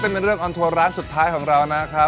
เป็นเรื่องออนทัวร์ร้านสุดท้ายของเรานะครับ